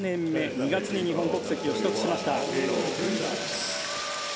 ２月に日本国籍を取得しました。